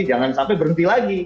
jangan sampai berhenti lagi